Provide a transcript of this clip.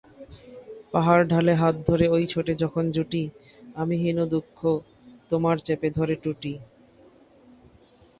পাহাড় ঢালে হাত ধরে ওইছোটে যখন জুটি, আমি হীন দুঃখ তোমারচেপে ধরে টুটি।